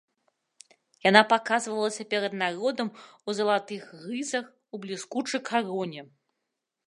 Яна паказвалася перад народам у залатых рызах, у бліскучай кароне.